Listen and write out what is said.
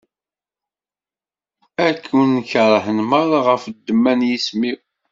Ad ken-keṛhen meṛṛa ɣef ddemma n yisem-iw.